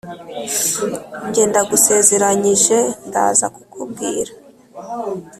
njye: ndagusezeranyije ndaza kukubwira